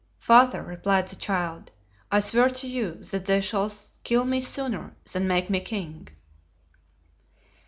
"Father," replied the child, "I swear to you that they shall kill me sooner than make me king."